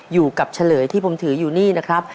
เฉลยที่ผมถืออยู่นี่นะครับ